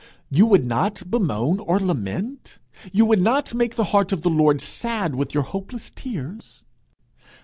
You would not bemoan or lament! You would not make the heart of the Lord sad with your hopeless tears!